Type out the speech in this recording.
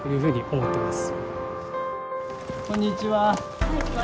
・はいこんにちは。